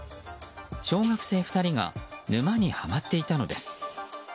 小学生２人が沼にはまっていたのです。